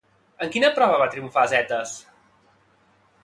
En quina prova va triomfar Zetes?